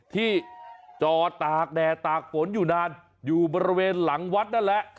ที่จอดตากแดดตากฝนอยู่นานอยู่บริเวณหลังวัดนั่นแหละ